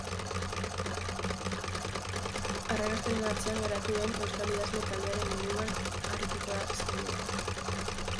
Arrakastaren atzean geratu den euskal idazle taldearen inguruan arituko da saioa.